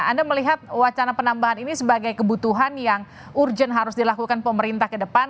anda melihat wacana penambahan ini sebagai kebutuhan yang urgent harus dilakukan pemerintah ke depan